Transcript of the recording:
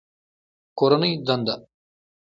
کورنۍ دنده